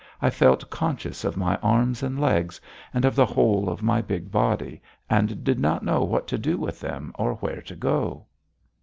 I felt conscious of my arms and legs, and of the whole of my big body, and did not know what to do with them or where to go.